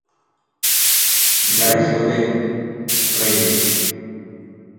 Garaiz gaude, oraindik.